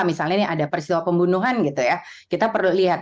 misalnya nih ada peristiwa pembunuhan gitu ya kita perlu lihat